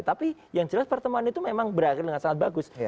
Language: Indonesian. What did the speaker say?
tapi yang jelas pertemuan itu memang berakhir dengan sangat bagus